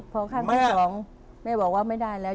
พอครั้งที่สองแม่บอกว่าไม่ได้แล้ว